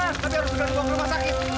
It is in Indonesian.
nanti aku harus ke rumah sakit